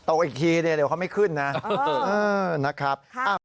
อีกทีเดี๋ยวเขาไม่ขึ้นนะนะครับ